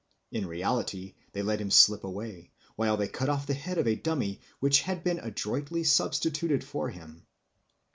In reality they let him slip away, while they cut off the head of a dummy which had been adroitly substituted for him.